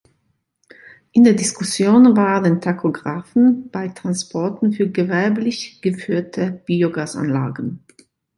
In der Diskussion waren Tachographen bei Transporten für gewerblich geführte Biogasanlagen.